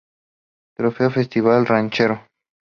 Trofeo Festival Ranchero